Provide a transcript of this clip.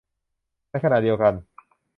ในขณะเดียวกัน